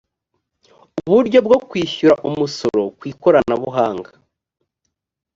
uburyo bwo kwishyura umusoro kwikoranabuhanga